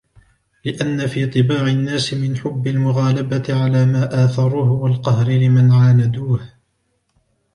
لِأَنَّ فِي طِبَاعِ النَّاسِ مِنْ حُبِّ الْمُغَالَبَةِ عَلَى مَا آثَرُوهُ وَالْقَهْرِ لِمَنْ عَانَدُوهُ